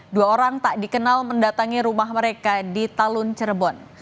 dua orang tak dikenal mendatangi rumah mereka di talun cirebon